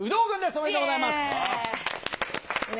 おめでとうございます。